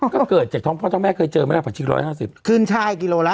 ก็เกิดจากท้องพ่อท้องแม่เคยเจอไหมล่ะผักชีร้อยห้าสิบขึ้นใช่กิโลละ